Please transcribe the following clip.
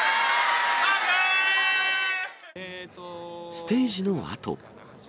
ステージのあと。